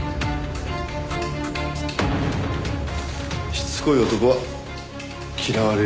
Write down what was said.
しつこい男は嫌われるよ。